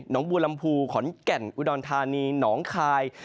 หนองบูรรมภูกฤาขอนแก่่นอุดรธานีหนองคาย